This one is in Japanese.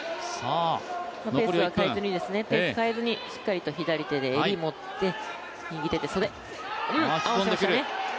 ペースを変えずに、しっかりと左手で襟を持って、右手で袖。